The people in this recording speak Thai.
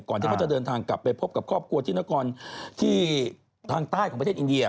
ก่อนที่เขาจะเดินทางจะไปพบฆ่ากับครอบครัวถี่นกรทางใต้ประเทศอินเดีย